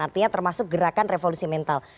artinya termasuk gerakan revolusi mental